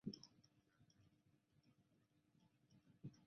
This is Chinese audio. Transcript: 记录和文物第一次在墨尔本展出随后是堪培拉。